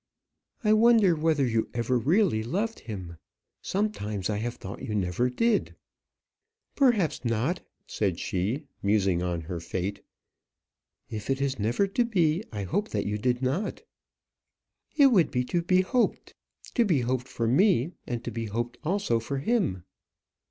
"I wonder whether you ever really loved him? Sometimes I have thought you never did." "Perhaps not," said she, musing on her fate. "If it is never to be, I hope that you did not." "It would be to be hoped to be hoped for me, and to be hoped also for him."